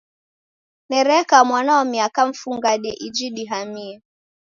Nereka mwana wa miaka mfungade iji dihamie.